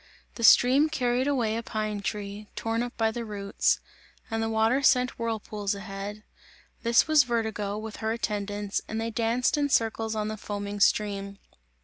The stream carried away a pine tree, torn up by the roots; and the water sent whirlpools ahead; this was Vertigo, with her attendants, and they danced in circles on the foaming stream.